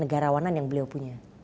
kenegarawanan yang beliau punya